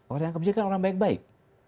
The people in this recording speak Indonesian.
orang yang kebijakan orang baik baik